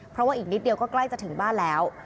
เพราะว่าอีกนิดเดียวก็ใกล้จะถึงบ้านแล้ว